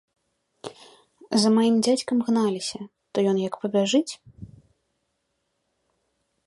За маім дзядзькам гналіся, то ён як пабяжыць!